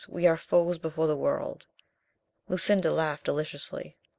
We are foes before the world." Lucinda laughed deliciously.